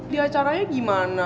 di acaranya gimana